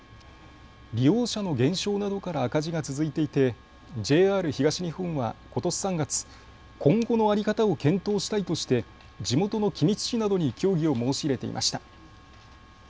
利用者の減少などから赤字が続いていてＪＲ東日本はことし３月、今後の在り方を検討したいとして地元の君津市などに協議を申し入れていました。